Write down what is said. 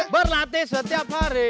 berlatih setiap hari